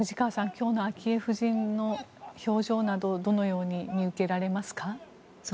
今日の昭恵夫人の表情などどのように見受けられますか？